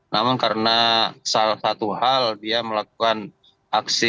namun karena salah satu hal dia melakukan aksi zionisme terhadap saudara sesama muslim di palestina